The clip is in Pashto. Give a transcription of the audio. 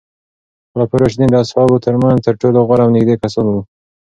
خلفای راشدین د اصحابو ترمنځ تر ټولو غوره او نږدې کسان وو.